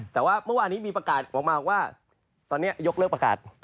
แต่ว่าเมื่อวานนี้มีประกาศออกมาว่าตอนนี้ยกเลิกประกาศ